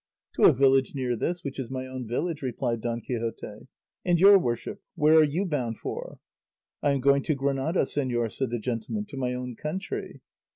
"To a village near this which is my own village," replied Don Quixote; "and your worship, where are you bound for?" "I am going to Granada, señor," said the gentleman, "to my own country."